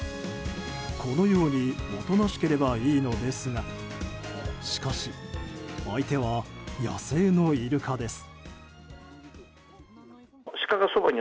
このようにおとなしければいいのですがしかし相手は野生のイルカです。